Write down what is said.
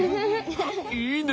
いいね！